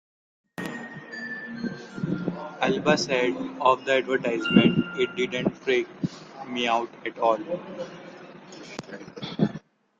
Alba said of the advertisement, It didn't freak me out at all.